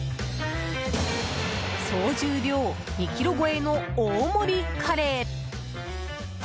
総重量２ｋｇ超えの大盛りカレー！